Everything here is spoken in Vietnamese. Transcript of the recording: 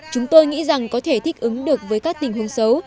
chúng tôi nghĩ rằng có thể thích ứng được với các tình huống xấu